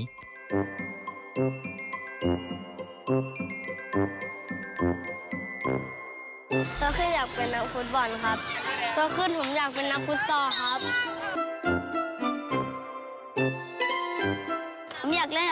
เรียกว่าว่าคุณของคนสุดของคุณ